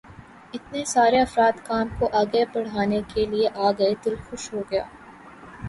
اتنے سارے افراد کام کو آگے بڑھانے کے لیے آ گئے، دل خوش ہو گیا۔